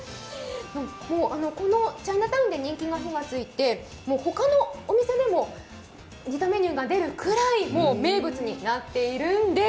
このチャイナタウンで人気に火がついて他のお店でも似たメニューが出るぐらい名物になっているんです。